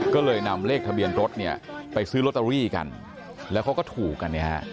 ก็เลยนำเลขทะเบียนรถเนี่ยไปซื้อลอตเตอรี่กันแล้วเขาก็ถูกกันเนี่ยฮะ